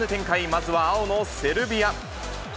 まずは青のセルビア。